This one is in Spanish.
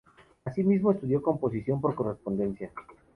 Asimismo, estudió composición por correspondencia.